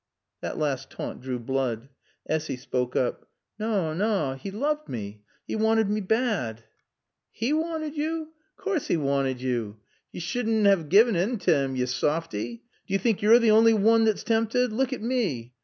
That last taunt drew blood. Essy spoke up. "Naw, naw. 'E looved mae. 'E wanted mae bad." "'E wanted yo? Coorse 'e wanted yo. Yo sud na 'ave gien in to 'im, yo softie. D'yo think yo're the only woon thot's tampted? Look at mae.